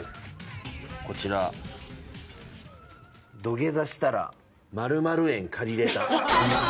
土下座したら○○円借りれた！！